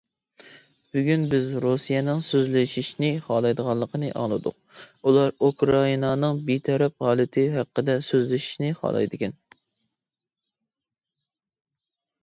بۈگۈن بىز رۇسىيەنىڭ سۆزلىشىشنى خالايدىغانلىقىنى ئاڭلىدۇق، ئۇلار ئۇكرائىنانىڭ بىتەرەپ ھالىتى ھەققىدە سۆزلىشىشنى خالايدىكەن.